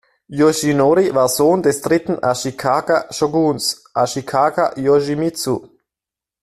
Yoshinori war Sohn des dritten Ashikaga-Shōguns, Ashikaga Yoshimitsu.